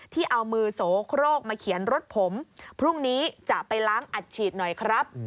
ที่เอามือโสโครกมาเขียนรถผมพรุ่งนี้จะไปล้างอัดฉีดหน่อยครับ